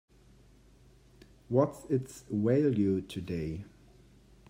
What's its value today?